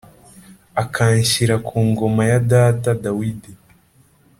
akanshyira ku ngoma ya data Dawidi